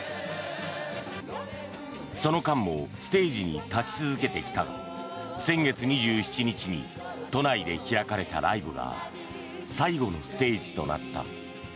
その間もステージに立ち続けてきたが先月２７日に都内で開かれたライブが最後のステージとなった。